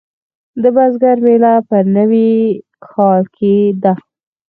د بزګر میله په نوي کال کې ده.